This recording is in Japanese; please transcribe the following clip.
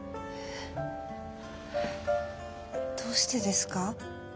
えっどうしてですか？